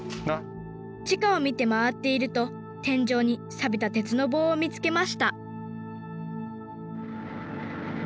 地下を見て回っていると天井にさびた鉄の棒を見つけました。